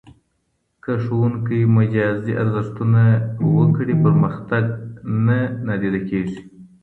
که ښوونکی مجازي ارزونه وکړي، پرمختګ نه نادیده کېږي.